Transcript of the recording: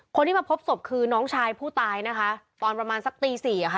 คนที่มาพบศพคือน้องชายผู้ตายนะคะตอนประมาณสักตีสี่อ่ะค่ะ